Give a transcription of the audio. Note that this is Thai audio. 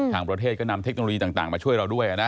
ต่างประเทศก็นำเทคโนโลยีต่างมาช่วยเราด้วยนะ